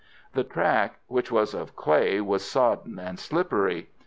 The track, which was of clay, was sodden and slippery.